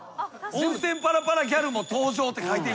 「温泉パラパラギャルも登場」って書いていい。